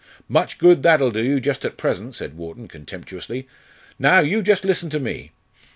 "Much good that'll do you, just at present," said Wharton, contemptuously. "Now, you just listen to me."